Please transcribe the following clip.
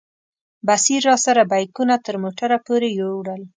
بصیر راسره بیکونه تر موټره پورې یوړل.